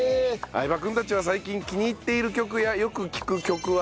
相葉くんたちは最近気に入っている曲やよく聴く曲はありますか？